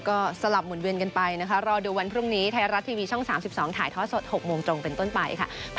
ก็สลับหมุนเวียนกันไปนะคะรอดูวันพรุ่งนี้ไทยรัฐทีวีช่อง๓๒ถ่ายทอดสด๖โมงตรงเป็นต้นไปค่ะ